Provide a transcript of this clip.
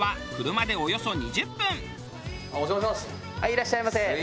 いらっしゃいませ。